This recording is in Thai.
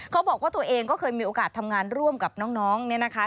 เขาบอกว่าตัวเองก็เคยมีโอกาสทำงานร่วมกับน้องเนี่ยนะคะ